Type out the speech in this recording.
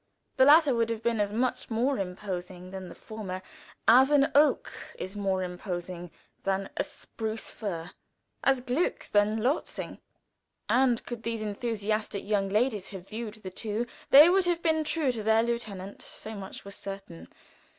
The latter would have been as much more imposing than the former as an oak is more imposing than a spruce fir as Gluck than Lortzing. And could these enthusiastic young ladies have viewed the two they would have been true to their lieutenant; so much was certain.